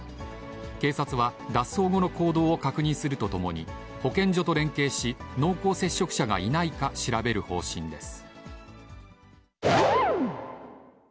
警察は、脱走後の行動を確認するとともに、保健所と連携し、濃厚接触者がいないか調べる方針です。